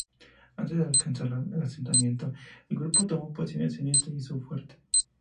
Antes de alcanzar el asentamiento, el grupo tomó posiciones en este y su fuerte.